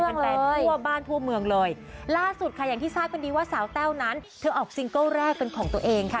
ตัวบ้านทั่วเมืองล่าสุดคี่แปดนี้เวีอร์เซียวน้ำกือก้อแรกเป็นของตัวเองค่ะ